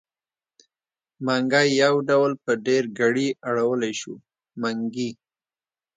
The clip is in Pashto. منګی يو ډول په ډېرګړي اړولی شو؛ منګي.